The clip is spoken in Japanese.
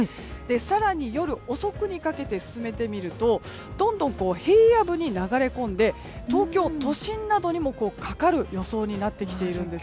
更に夜遅くにかけて進めてみるとどんどん平野部に流れ込んで東京都心などにもかかる予想になってきているんです。